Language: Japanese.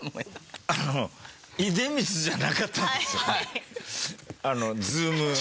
あの出光じゃなかったんですよね？